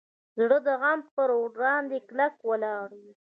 زړه د غم پر وړاندې کلک ولاړ وي.